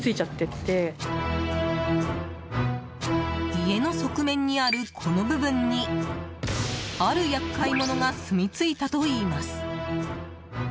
家の側面にある、この部分にある厄介者がすみついたといいます。